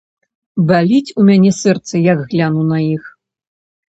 Баліць у мяне сэрца, як гляну на іх.